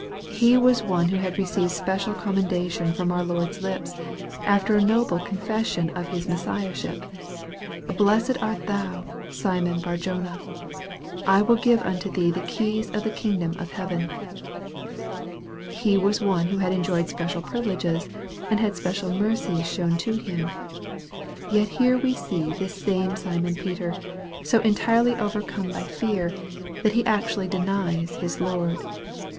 He was one who had received special commen dation from our Lord's lips, after a noble confession of His Messiahship :" Blessed art thou, Simon Bar jona :"" I will give unto thee the keys of the kingdom of heaven." He was one who had enjoyed special priv ileges, and had special mercies shown to him. Yet here we see this same Simon Peter so entirely overcome by 832 EXPOSITORY THOUGHTS. fear that he actually denies his Lord.